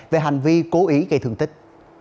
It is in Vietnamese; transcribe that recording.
về hành vi cố ý gây thương tích